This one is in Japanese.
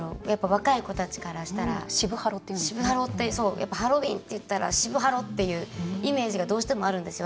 若い子たちからしたらハロウィーンって言ったら渋ハロっていうイメージがどうしてもあるんですよ。